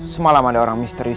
semalam ada orang misterius